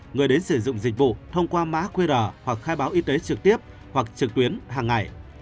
người đến sử dụng dịch vụ thông qua mã qr hoặc khai báo y tế trực tiếp hoặc trực tuyến hàng ngày